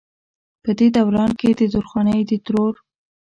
پۀ دې دوران کښې د درخانۍ د ترور